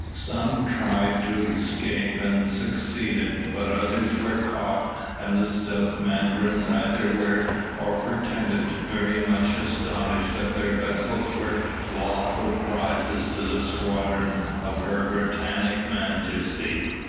Some tried to escape, and succeeded, but others were caught, and the stout mandarins either were or pretended to be very much astonished that their vessels were lawful prizes to the squadron of Her Britannic Majesty.